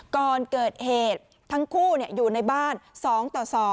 ก่อนเกิดเหตุทั้งคู่อยู่ในบ้าน๒ต่อ๒